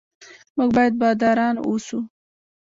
موږ باید باداران اوسو.